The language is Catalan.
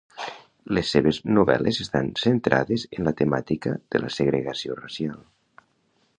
Les seves novel·les estan centrades en la temàtica de la segregació racial.